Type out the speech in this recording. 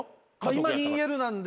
今２Ｌなんで。